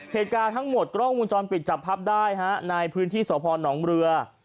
เหตุการณ์ทั้งหมดกล้องวงจรปิดจับภาพได้ฮะในพื้นที่สพนเรือ